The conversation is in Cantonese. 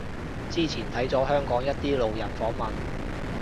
之前睇咗香港一啲路人訪問